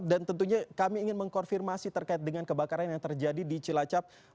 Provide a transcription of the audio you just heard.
dan tentunya kami ingin mengkonfirmasi terkait dengan kebakaran yang terjadi di cilacap